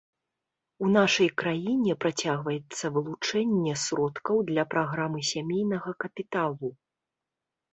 У нашай краіне працягваецца вылучэнне сродкаў для праграмы сямейнага капіталу.